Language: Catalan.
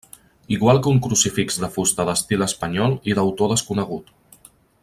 Igual que un crucifix de fusta d'estil espanyol i d'autor desconegut.